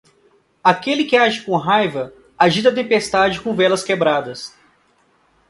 Aquele que age com raiva agita a tempestade com velas quebradas.